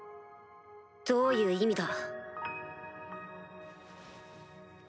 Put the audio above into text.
どういう意味だ？